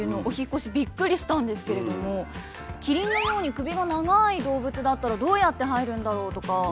お引っ越しびっくりしたんですけれどもキリンのように首が長い動物だったらどうやって入るんだろうとか。